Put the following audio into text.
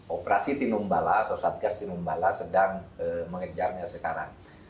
operasi timur mbala atau satgas timur mbala sedang mengejarnya sekarang